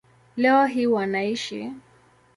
Leo hii wanaishi